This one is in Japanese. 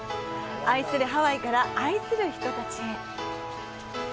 愛するハワイから愛する人たちへ。